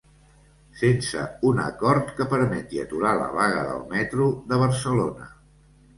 Sense un acord que permeti aturar la vaga del metro de Barcelona.